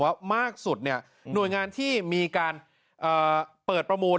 ว่ามากสุดเนี่ยหน่วยงานที่มีการเปิดประมูล